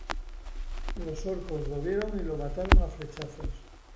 Los orcos lo vieron y lo mataron a flechazos.